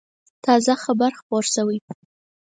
تازه خبر خپور شوی و.